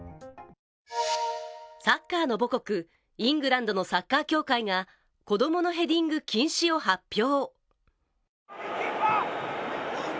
サッカーの母国・イングランドのサッカー協会が子供のヘディング禁止を発表。